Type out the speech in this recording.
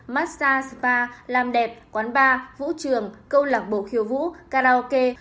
massage spa làm đẹp quán bar vũ trường câu lạc bộ khiêu vũ karaoke